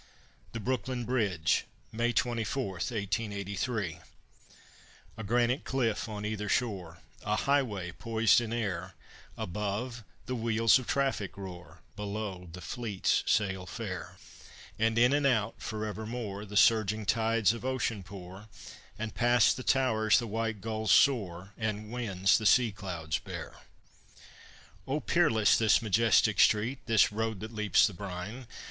THE BROOKLYN BRIDGE [May 24, 1883] A granite cliff on either shore: A highway poised in air; Above, the wheels of traffic roar; Below, the fleets sail fair; And in and out, forevermore, The surging tides of ocean pour, And past the towers the white gulls soar, And winds the sea clouds bear. O peerless this majestic street, This road that leaps the brine!